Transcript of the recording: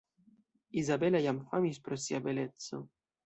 Izabela jam famis pro sia beleco.